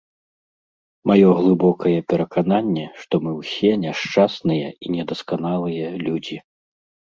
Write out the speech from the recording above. Маё глыбокае перакананне, што мы ўсе няшчасныя і недасканалыя людзі.